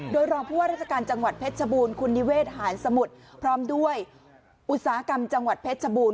โดยรองผู้ว่าราชการจังหวัดเพชรชบูรณคุณนิเวศหารสมุทรพร้อมด้วยอุตสาหกรรมจังหวัดเพชรชบูรณ